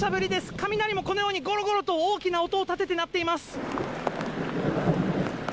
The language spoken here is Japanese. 雷もこのようにごろごろと大きな音を立てて鳴っています。